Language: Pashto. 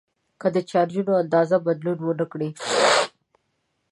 که د چارجونو اندازه بدلون ونه کړي.